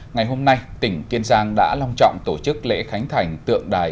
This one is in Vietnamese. ngày hôm nay tỉnh kiên giang đã long trọng tổ chức lễ khánh thành tượng đài